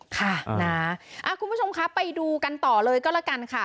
ค่ะนะคุณผู้ชมครับไปดูกันต่อเลยก็แล้วกันค่ะ